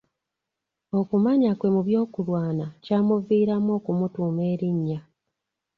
Okumanya kwe mu by'okulwana kyamuviiramu okumutuuma erinnya.